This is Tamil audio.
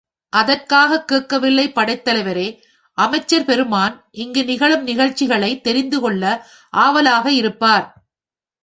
அதற்காகக் கேட்கவில்லை படைத்தலைவரே அமைச்சர் பெருமான் இங்கு நிகழும் நிகழ்ச்சிகளைத் தெரிந்துகொள்ள ஆவலாக இருப்பார்.